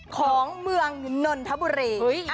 ของเมืองนนทบุรี